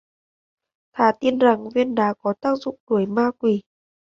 thà tin rằng viên đá có tác dụng đuổi ma quỷ